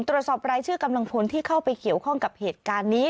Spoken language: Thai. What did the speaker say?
ตรวจสอบรายชื่อกำลังพลที่เข้าไปเกี่ยวข้องกับเหตุการณ์นี้